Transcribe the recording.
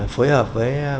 phối hợp với